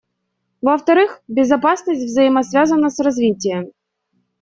Во-вторых, безопасность взаимосвязана с развитием.